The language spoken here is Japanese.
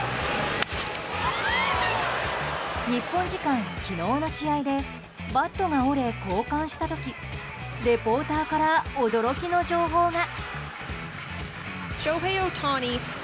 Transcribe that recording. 日本時間昨日の試合でバットが折れ交換した時レポーターから驚きの情報が。